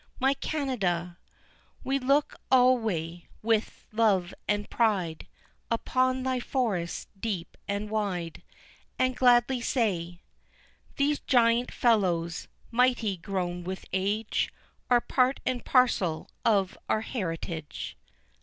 My Canada! We look alway with love and pride Upon thy forests deep and wide, And gladly say. "These giant fellows, mighty grown with age, Are part and parcel of our heritage."